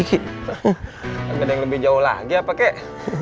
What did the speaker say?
ada yang lebih jauh lagi apa kek